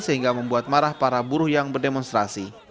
sehingga membuat marah para buruh yang berdemonstrasi